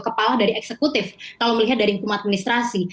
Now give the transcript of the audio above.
kepala dari eksekutif kalau melihat dari hukum administrasi